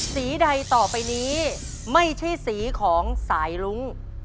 ใดต่อไปนี้ไม่ใช่สีของสายรุ้ง